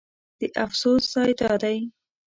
د افسوس ځای دا دی.